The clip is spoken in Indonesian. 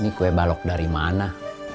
ini kue balok dari mana